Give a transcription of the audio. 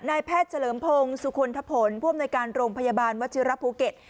นายแพทย์เฉลิมพงศ์สุคลทะผลผู้อำนวยการโรงพยาบาลวัชิระภูเก็ต